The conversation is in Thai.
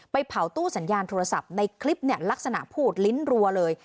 เผาตู้สัญญาณโทรศัพท์ในคลิปเนี่ยลักษณะพูดลิ้นรัวเลย